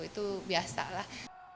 itu biasa lah